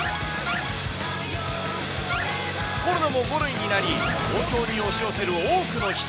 コロナも５類になり、東京に押し寄せる多くの人。